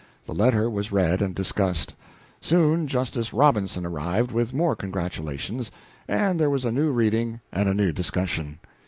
The letter was read and discussed. Soon Justice Robinson arrived with more congratulations, and there was a new reading and a new discussion.